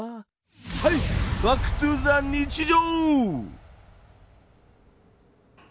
はいバックトゥーザ日常！